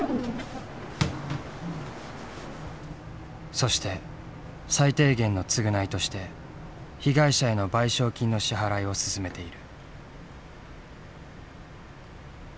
そして最低限の償いとして被害者への賠償金の支払いを進めている。